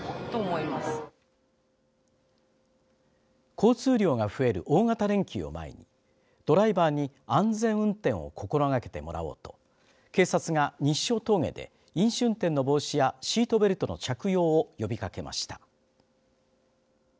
交通量が増える大型連休を前にドライバーに安全運転を心がけてもらおうと警察が日勝峠で飲酒運転の防止やシートベルトの着用を呼びかけました。